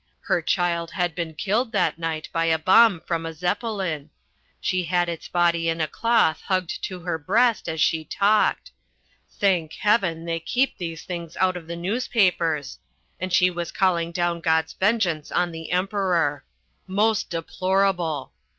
Her child had been killed that night by a bomb from a Zeppelin; she had its body in a cloth hugged to her breast as she talked thank heaven, they keep these things out of the newspapers and she was calling down God's vengeance on the Emperor. Most deplorable!